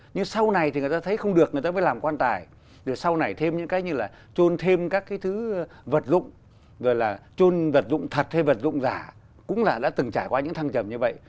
nhưng sau này thì người ta thấy không được người ta mới làm quan tài rồi sau này thêm những cái như là trôn thêm các cái thứ vật dụng rồi là trôn vật dụng thật hay vật dụng giả cũng là đã từng trải qua những thăng trầm như vậy